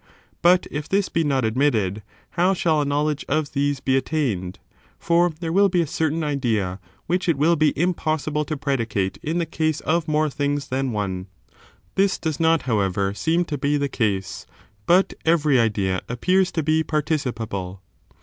But if this be not admitted, how shall a knowledge of these be attained ] for there will be a certain idea which it will be impossible to predicate in the case of more things than one. This does not, however, seem to be the case ; but every idea appears to be participable.